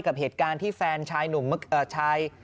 กับเหตุการณ์ที่แฟนชายหนุ่มชาย